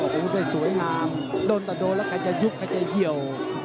ได้สวยงามโดนแต่โดนแล้วกันจะยุกแล้วกันจะเหี่ยว